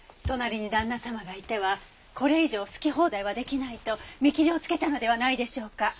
隣に旦那様がいてはこれ以上好き放題はできないと見切りをつけたのではないでしょうか。